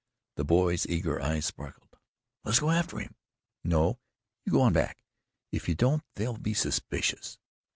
The boy's eager eyes sparkled. "Let's go after him." "No, you go on back. If you don't, they'll be suspicious.